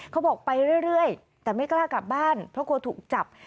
เขาบอกไปเรื่อยแต่ไม่กล้ากลับบ้านเพราะกลัวถูกจับ